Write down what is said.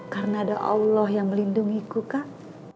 karena ada allah yang melindungiku kak